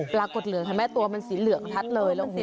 ปลากดเหลืองใช่ไหมตัวมันสีเหลืองทัดเลย